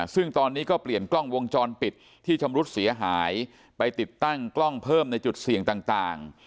ซึ่งตอนนี้ก็เปลี่ยนกล้องวงจรปิดที่ชำรุดเสียหายไปติดตั้งกล้องเพิ่มในจุดเสี่ยงต่าง